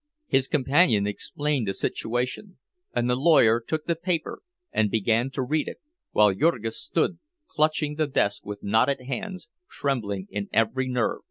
His companion explained the situation, and the lawyer took the paper and began to read it, while Jurgis stood clutching the desk with knotted hands, trembling in every nerve.